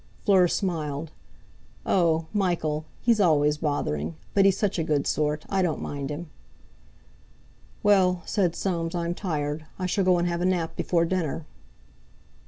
Fleur smiled. "Oh! Michael! He's always bothering; but he's such a good sort—I don't mind him." "Well," said Soames, "I'm tired; I shall go and have a nap before dinner."